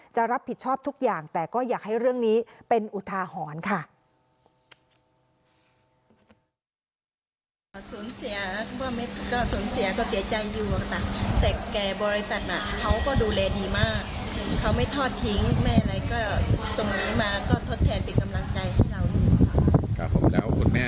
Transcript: จะรับผิดชอบทุกอย่างแต่ก็อยากให้เรื่องนี้เป็นอุทาหรณ์ค่ะ